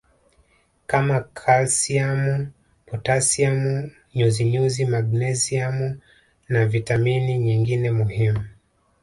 kama kalsiamu potasiamu nyuzinyuzi magnesiamu na vitamini nyingine muhimu